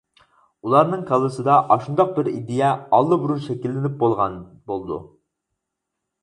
ئۇلارنىڭ كاللىسىدا ئاشۇنداق بىر ئىدىيە ئاللىبۇرۇن شەكىللىنىپ بولغان بولىدۇ.